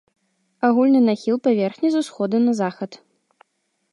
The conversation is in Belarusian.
Агульны нахіл паверхні з усходу на захад.